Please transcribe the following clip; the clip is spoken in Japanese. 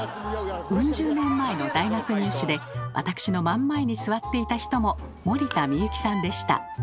ウン十年前の大学入試で私の真ん前に座っていた人も森田みゆきさんでした。